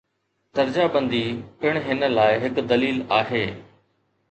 درجه بندي پڻ هن لاء هڪ دليل آهي.